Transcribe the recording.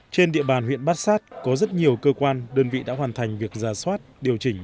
trên địa bàn huyện bát sát có rất nhiều cơ quan đơn vị đã hoàn thành việc ra soát điều chỉnh